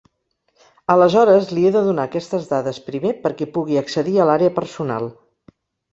Aleshores li he de donar aquestes dades primer perquè pugui accedir a l'àrea personal.